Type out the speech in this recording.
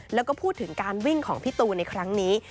แล้วก็พูดถึงการวิ่งของพี่ตูนในครั้งนี้